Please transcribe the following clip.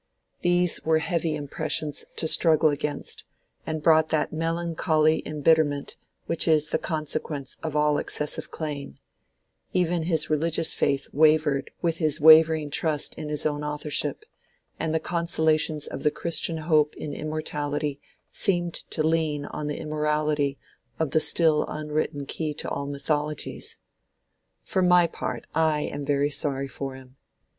These were heavy impressions to struggle against, and brought that melancholy embitterment which is the consequence of all excessive claim: even his religious faith wavered with his wavering trust in his own authorship, and the consolations of the Christian hope in immortality seemed to lean on the immortality of the still unwritten Key to all Mythologies. For my part I am very sorry for him.